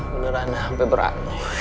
beneran hati berat